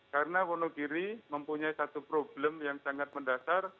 karena wonogiri mempunyai satu problem yang sangat mendasar